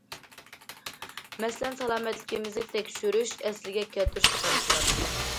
مەسىلەن: سالامەتلىكىمىزنى تەكشۈرۈش، ئەسلىگە كەلتۈرۈش قاتارلىقلار.